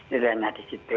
sebenarnya di situ